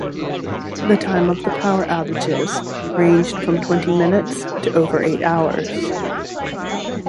The time of the power outages ranged from twenty minutes to over eight hours.